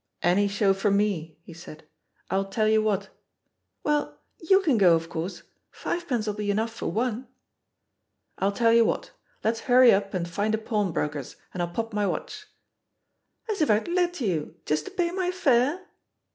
'* ^'Ariff show for me/^ he said, "I'll tell you j^hat " "Well, you can go, of course; fiyepence'll be enough for one." "I'll tell you what: let's hurry up and find a pawnbroker's, and I'll pop my watch." "As if I'd let you — ^just to pay my fare!"